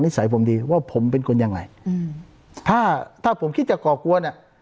สัยผมดีว่าผมเป็นคนยังไงอืมถ้าถ้าผมคิดจะก่อกวนอ่ะ